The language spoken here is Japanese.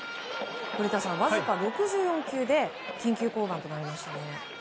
古田さん、わずか６４球で緊急降板となりましたね。